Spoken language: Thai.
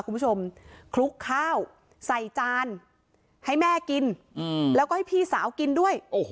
คุณผู้ชมคลุกข้าวใส่จานให้แม่กินอืมแล้วก็ให้พี่สาวกินด้วยโอ้โห